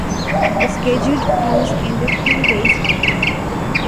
The scheduled cruise ended two days early.